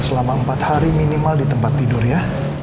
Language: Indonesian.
selama empat hari minimal di tempat tidur ya